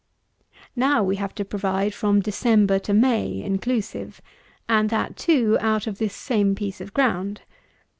123. Now we have to provide from December to May inclusive; and that, too, out of this same piece of ground.